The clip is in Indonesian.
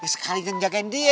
sekalian jagain dia